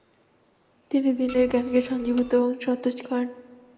তিনি দ্বীনের জ্ঞানকে সঞ্জীবিত ও সতেজ করেন।